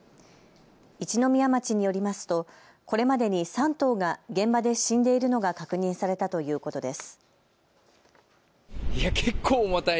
一宮町によりますとこれまでに３頭が現場で死んでいるのが確認されたということです。